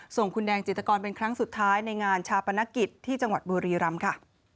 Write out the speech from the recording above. ส่งคุณแดงจิตกรเป็นครั้งสุดท้ายในงานชาปนกิจที่จังหวัดบุรีรำค่ะ